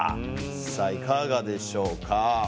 さあいかがでしょうか？